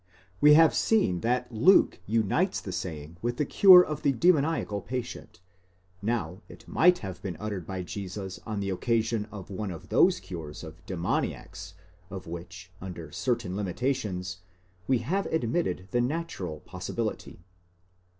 We have seen that Luke unites the saying with the cure of a demoniacal patient: now it might have been uttered by Jesus on the occasion of one of those cures of demon iacs of which, under certain limitations, we have admitted the natural pos sibility.